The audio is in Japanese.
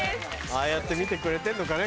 ああやって見てくれてるのかね？